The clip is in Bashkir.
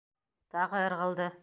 Тағы ырғылды.